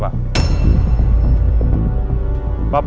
bapak bisa telusurin sebelah sana